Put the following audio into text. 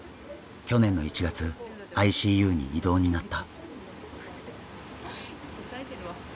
去年の１月ＩＣＵに異動になった。